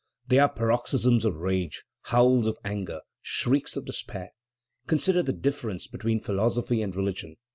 They are paroxysms of rage, howls of anger, shrieks of despair. Consider the difference between philosophy and religion!